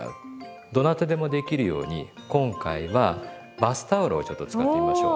どなたでもできるように今回はバスタオルをちょっと使ってみましょう。